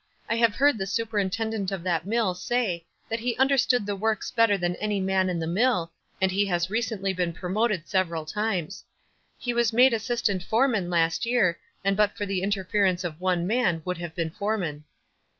I have heard the superintendent of that mill say that he understood the works bet ter than any man in the mill, and he has recent ly been promoted several times. He was made assistant foreman last year, and but for the inter ference of one man would have been foreman."